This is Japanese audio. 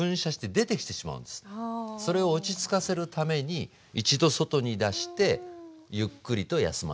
それを落ち着かせるために一度外に出してゆっくりと休ませる。